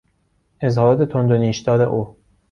اظهارات تند و نیشدار او